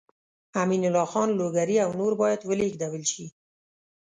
امین الله خان لوګری او نور باید ولېږدول شي.